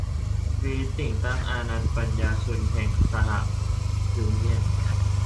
กรี๊ด แต่งตั้ง อานันน์ ปันยารชุน แห่งสหยูเนี่ยน